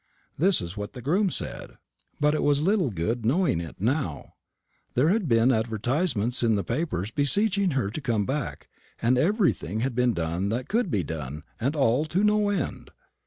This is what the groom said; but it was little good knowing it now. There'd been advertisements in the papers beseeching her to come back; and everything had been done that could be done, and all to no end.